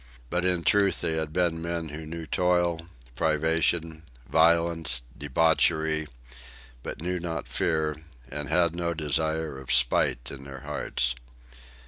But in truth they had been men who knew toil, privation, violence, debauchery but knew not fear, and had no desire of spite in their hearts.